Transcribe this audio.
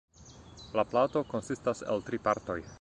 La plato konsistas el tri partoj.